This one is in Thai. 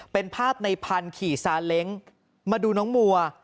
เป็นภาพในพันธุ์ขี่ซาเล้งมาดูน้องมัว